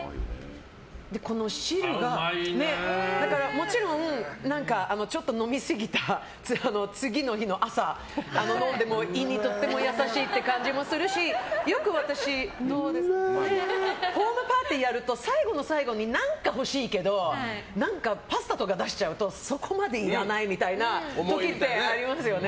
もちろん、ちょっと飲みすぎた次の日の朝、飲んでも胃にとっても優しい感じもするしよく私ホームパーティーをやると最後の最後に何か欲しいけどパスタとか出しちゃうとそこまでいらないみたいな時ってありますよね。